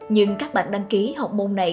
nhưng các bạn đăng ký học môn này